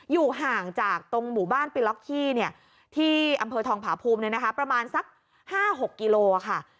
อยู่ห่างจากตรงหมู่บ้านปิล็อกที่เนี่ยที่อำเภอทองผาพูมเนี่ยนะคะประมาณสัก๕๖กิโลกรัมค่ะ